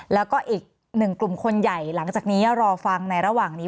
แล้วก็อีกหนึ่งกลุ่มคนใหญ่หลังจากนี้รอฟังในระหว่างนี้